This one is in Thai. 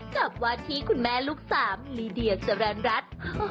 กับวาที่คุณแม่ลูกสามลีเดียเจริญรัฐ